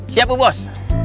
siap bu bos